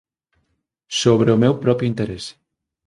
Sobre o meu propio interese.